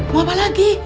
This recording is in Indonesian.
mau apa lagi